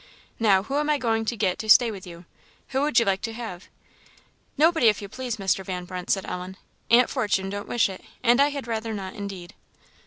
Now, who am I going to get to stay with you? Who would you like to have." "Nobody, if you please, Mr. Van Brunt," said Ellen; "Aunt Fortune don't wish it, and I had rather not, indeed."